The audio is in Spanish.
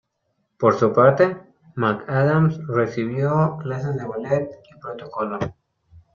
Por su parte, McAdams recibió clases de ballet y protocolo.